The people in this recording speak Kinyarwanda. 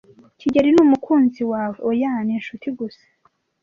"kigeli ni umukunzi wawe?" "Oya, ni inshuti gusa."